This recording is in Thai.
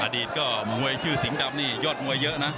อดีตก็มวยชื่อสิงห์ดำนี่ยอดมวยเยอะนะ